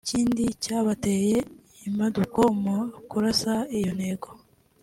Ikindi cyabateye imbaduko mu kurasa iyo ntego